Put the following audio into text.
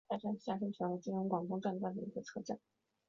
该站是厦深铁路进入广东段第一个车站。